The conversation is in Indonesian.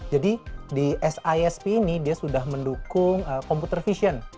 jadi di sisp ini dia sudah mendukung computer vision